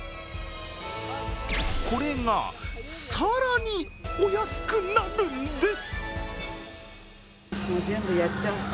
これが更にお安くなるんです！